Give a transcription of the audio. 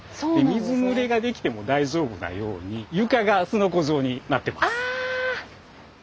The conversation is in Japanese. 水ぬれができても大丈夫なように床がすのこ状になってます。